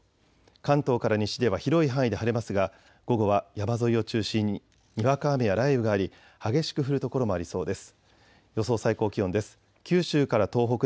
関東から西では広い範囲で晴れますが午後は山沿いを中心ににわか雨や雷雨があり激しく降る所もありそうです。